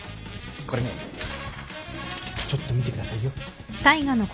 これねちょっと見てくださいよ。